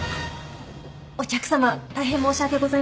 お客さま大変申し訳ございません